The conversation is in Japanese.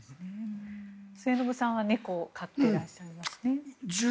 末延さんは猫を飼っていらっしゃいますね。